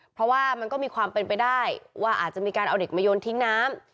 เพราะว่ามันก็มีความเป็นไปได้ว่าอาจจะมีการเอาเด็กมาโยนทิ้งน้ำ